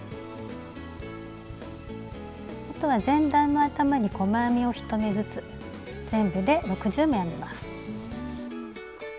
あとは前段の頭に細編みを１目ずつ全部で６０目編みます。